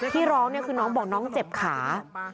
ที่ร้องเนี่ยคือน้องบอกน้องเจ็บขา